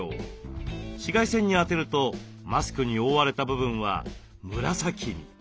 紫外線に当てるとマスクに覆われた部分は紫に。